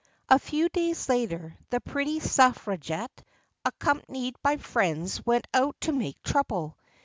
A few days later the pretty suffragette accompanied by friends went out to make trouble.